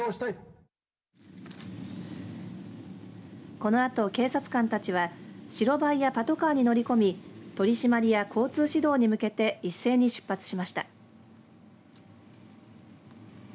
このあと警察官たちは白バイやパトカーに乗り込み取り締まりや交通指導に向けていっせいに出発しました。